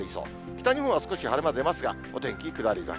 北日本は少し晴れ間出ますが、お天気下り坂。